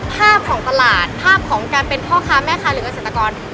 ภาพของตลาดภาพของการเป็นพ่อค้าแม่ค้าหรือเกษตรกร